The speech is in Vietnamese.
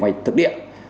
quay thực điện